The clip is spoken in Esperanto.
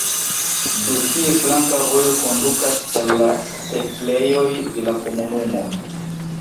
De tie flanka vojo kondukas al la setlejoj de la komunumo.